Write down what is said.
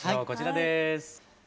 こちらです。